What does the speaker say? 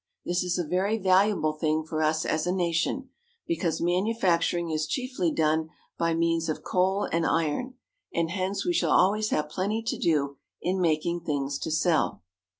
This is a very valuable thing for us as a nation, because manufacturing is chiefly done by means of coal and iron, and hence we shall always have plenty to do in making things to sell.